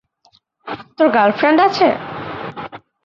তোর গার্লফ্রেন্ড আছে?